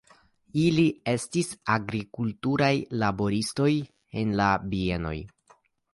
Ili estis agrikulturaj laboristoj en la bienoj.